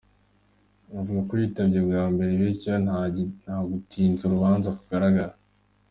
Aravuga ko yitabye bwa mbere bityo ko nta gutinza urubanza kugaragara.